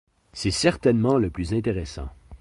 C'est certainement le plus intéressant.